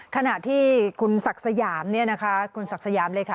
ขณะที่คุณศักดิ์สยามคุณศักดิ์สยามเลยค่ะ